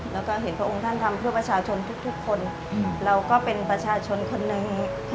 แล้วก็เห็นพระองค์ท่านทำเพื่อประชาชนทุกคนเราก็เป็นประชาชนคนหนึ่ง